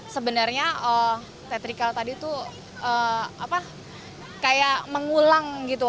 sebenarnya teatrikal tadi itu apa kayak mengulang gitu